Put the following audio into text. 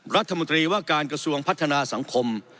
รัฐมนตรีว่าการกระทรวงพัฒนาสังคม